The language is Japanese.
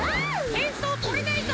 へんそうとれないぞ！